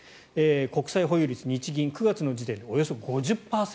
国債保有率、日銀、９月の時点でおよそ５０％。